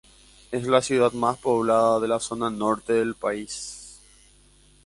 Es la ciudad más poblada de la zona norte del país.